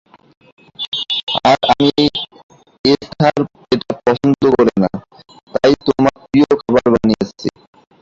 আর জানি এস্থার এটা পছন্দ করে না, তাই তোমার প্রিয় খাবার বানিয়েছি।